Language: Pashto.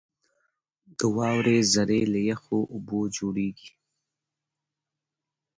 • د واورې ذرې له یخو اوبو جوړېږي.